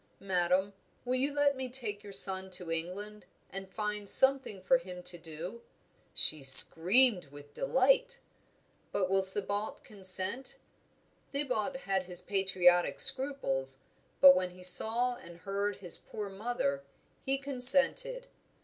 'Madame, will you let me take your son to England, and find something for him to do?' She screamed with delight. 'But will Thibaut consent?' Thibaut had his patriotic scruples; but when he saw and heard his poor mother, he consented.